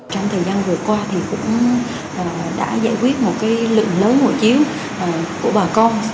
trong thời gian vừa qua thì cũng đã giải quyết một lượng lớn hộ chiếu của bà con